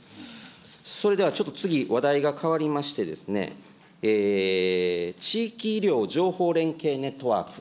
それではちょっと次、話題が変わりましてですね、地域医療情報連携ネットワーク。